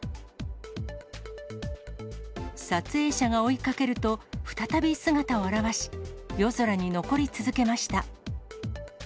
撮影者が追いかけると、再び姿を現し、夜空に残り続けました。